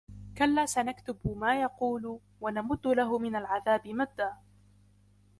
كلا سنكتب ما يقول ونمد له من العذاب مدا